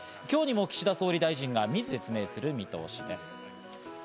今日にも岸田総理大臣が自ら説明する見通しです。